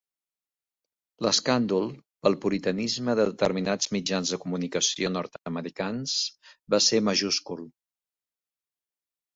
L'escàndol, pel puritanisme de determinats mitjans de comunicació nord-americans, va ser majúscul.